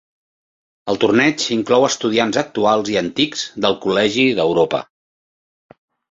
El torneig inclou estudiants actuals i antics del Col·legi d'Europa.